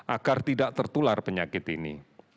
agar tidak tertular penyakit ini